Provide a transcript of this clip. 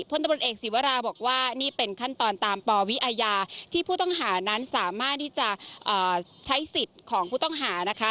พลตำรวจเอกศีวราบอกว่านี่เป็นขั้นตอนตามปวิอาญาที่ผู้ต้องหานั้นสามารถที่จะใช้สิทธิ์ของผู้ต้องหานะคะ